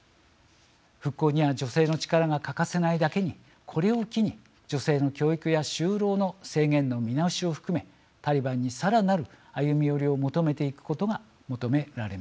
復興には女性の力が欠かせないだけにこれを機に女性の教育や就労の制限の見直しを含めタリバンにさらなる歩み寄りを求めていくことが求められます。